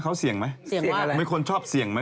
โอ้ยเดี๋ยวนี้มดน้ำก็หุ่นดีแล้ว